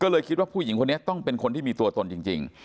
ก็เลยคิดว่าผู้หญิงคนนี้ต้องเป็นคนที่มีตัวตนจริง